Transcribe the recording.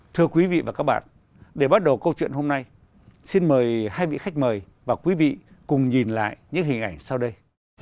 thưa quý vị và các bạn để bắt đầu câu chuyện hôm nay xin mời hai vị khách mời và quý vị cùng nhìn lại những hình ảnh sau đây